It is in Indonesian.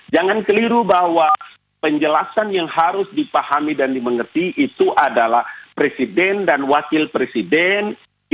jangan keliru bahwa penjelasan yang harus dipahami dan dimengerti itu adalah presiden dan wakil presiden